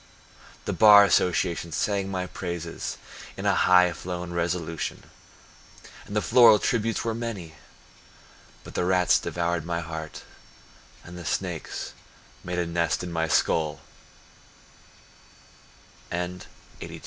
The bar association sang my praises In a high flown resolution. And the floral tributes were many— But the rats devoured my heart And a snake made a nest in my skull Russian Sonia I, born